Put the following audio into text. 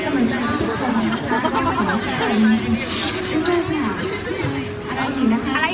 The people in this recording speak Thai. ชิ้นถ่ายได้บ่อย